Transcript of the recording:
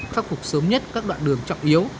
khắc phục sớm nhất các đoạn đường trọng yếu